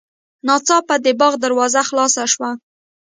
ناڅاپه د باغ دروازه خلاصه شوه.